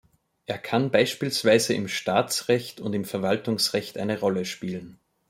Er kann beispielsweise im Staatsrecht und im Verwaltungsrecht eine Rolle spielen.